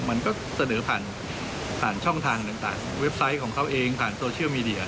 มันก็เสนอผ่านผ่านช่องทางต่างเว็บไซต์ของเขาเองผ่านโซเชียลมีเดีย